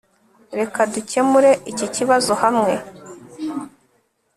reka dukemure iki kibazo hamwe